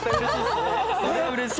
うれしい。